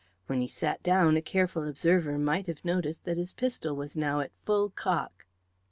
When he sat down a careful observer might have noticed that his pistol was now at full cock.